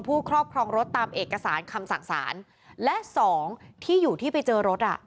ครอบครองรถตามเอกสารคำสั่งสารและสองที่อยู่ที่ไปเจอรถอ่ะ